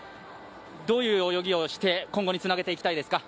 どういう泳ぎをして今後につなげていきたいですか。